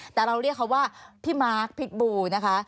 แต่เราเรียกเขาว่าพี่มาร์คพิษบูนะคะ